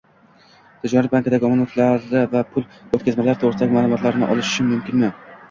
tijorat bankidagi omonatlari va pul o‘tkazmalari to‘g‘risida ma’lumotlarni olishim mumkinmi?